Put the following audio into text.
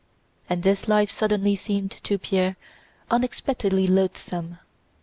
And this life suddenly seemed to Pierre unexpectedly loathsome.